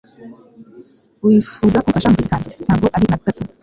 "Wifuza kumfasha mu kazi kanjye?" "Ntabwo ari na gato."